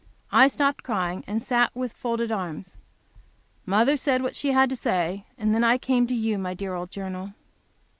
I stopped crying, and sat with folded arms. Mother said what she had to say, and then I came to you, my dear old Journal.